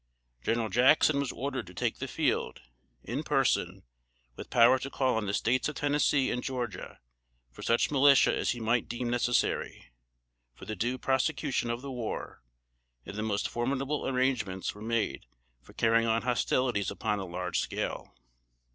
General Jackson was ordered to take the field, in person, with power to call on the States of Tennessee and Georgia for such militia as he might deem necessary, for the due prosecution of the war; and the most formidable arrangements were made for carrying on hostilities upon a large scale.